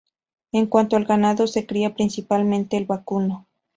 En cuanto al ganado se cría principalmente el vacuno.